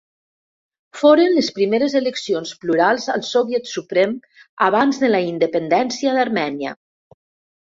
Foren les primeres eleccions plurals al Soviet Suprem abans de la independència d'Armènia.